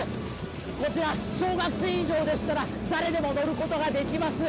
こちら、小学生以上でしたら誰でも乗ることができます。